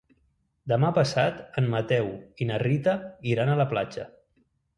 Demà passat en Mateu i na Rita iran a la platja.